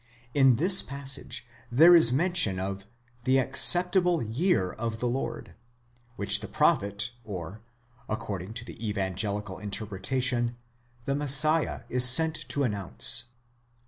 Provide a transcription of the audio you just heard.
In this passage there is mention of the acceptable year of the Lord, ἐνιαυτὸς Κυρίου δεκτὸς, which the prophet or, according to the Evangelical interpretation, the Messiah is sent to announce.